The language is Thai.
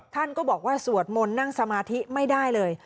ท่านก็บอกว่าสวดมนต์นั่งสมาธิไม่ได้เลย